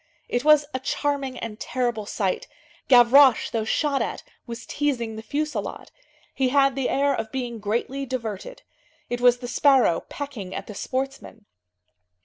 It was a charming and terrible sight. Gavroche, though shot at, was teasing the fusillade. He had the air of being greatly diverted. It was the sparrow pecking at the sportsmen.